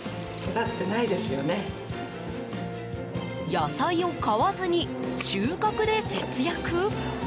野菜を買わずに収穫で節約？